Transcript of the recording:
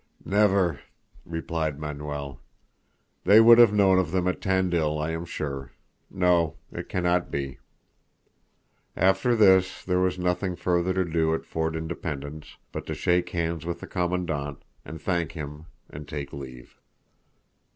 "Never," replied Manuel. "They would have known of them at Tandil, I am sure. No, it cannot be." After this, there was nothing further to do at Fort Independence but to shake hands with the Commandant, and thank him and take leave.